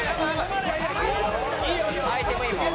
アイテムいいもん。